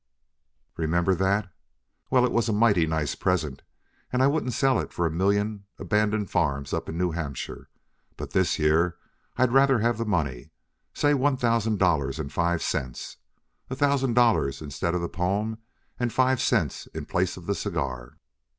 Remember that? Well, it was a mighty nice present, and I wouldn't sell it for a million abandoned farms up in New Hampshire, but this year I'd rather have the money say one thousand dollars and five cents a thousand dollars instead of the poem and five cents in place of the cigar."